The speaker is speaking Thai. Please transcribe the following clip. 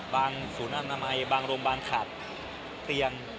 ศูนย์อนามัยบางโรงพยาบาลขาดเตียง